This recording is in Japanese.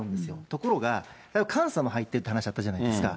ところが、監査も入ってるって話しあったじゃないですか。